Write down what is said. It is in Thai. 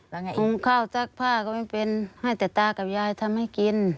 แล้วไงหุงข้าวซักผ้าก็ไม่เป็นให้แต่ตากับยายทำให้กิน